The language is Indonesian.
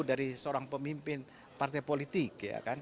dari seorang pemimpin partai politik